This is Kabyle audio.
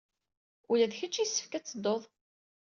Ula d kecc yessefk ad teddud!